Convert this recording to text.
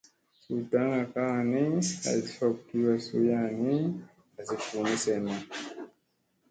Suu daŋga kaa ni, haysi hop kiwa suya nii, asi ɓuuni senna.